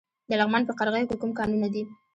د لغمان په قرغیو کې کوم کانونه دي؟